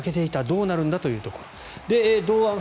どうなるんだというところ。